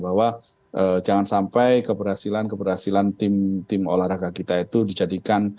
bahwa jangan sampai keberhasilan keberhasilan tim olahraga kita itu di jatuhkan